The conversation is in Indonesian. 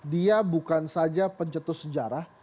dia bukan saja pencetus sejarah